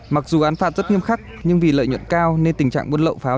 mặc dù án phạt rất nghiêm khắc nhưng vì lợi nhuận cao nên tình trạng buôn lậu pháo